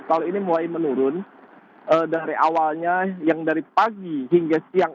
kalau ini mulai menurun dari awalnya yang dari pagi hingga siang